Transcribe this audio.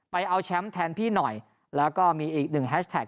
เอาแชมป์แทนพี่หน่อยแล้วก็มีอีกหนึ่งแฮชแท็ก